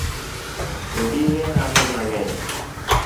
Onding’e rame mang’eny